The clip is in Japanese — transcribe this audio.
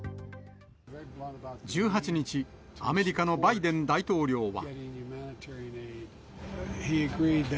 １８日、アメリカのバイデン大統領は。